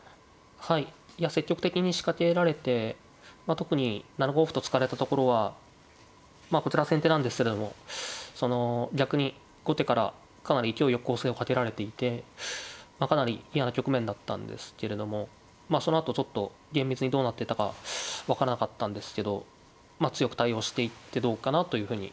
はいいや積極的に仕掛けられて特に７五歩と突かれたところはまあこちらは先手なんですけどもその逆に後手からかなり勢いよく攻勢をかけられていてかなり嫌な局面だったんですけれどもまあそのあとちょっと厳密にどうなってたか分からなかったんですけどまあ強く対応していってどうかなというふうに思ってました。